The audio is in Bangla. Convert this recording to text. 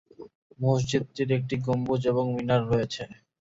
মসজিদটির একটি গম্বুজ এবং মিনার রয়েছে।